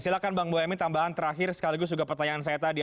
silakan bang bu yamin tambahan terakhir sekaligus juga pertanyaan saya tadi